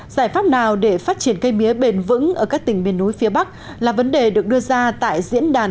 giải pháp nào để phát triển cây mía bền vững ở các tỉnh miền núi phía bắc là vấn đề được đưa ra tại diễn đàn